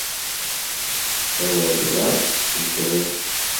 Tawenra n ddheb.